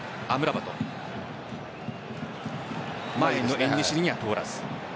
前のエンネシリには通らず。